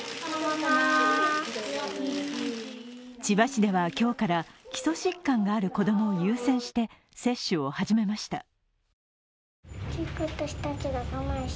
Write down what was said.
千葉市では今日から基礎疾患がある子供を優先して接種を始めました。